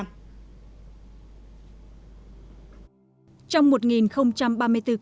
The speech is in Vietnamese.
hà nội tiễn công dân hoàn thành cách ly về lại địa phương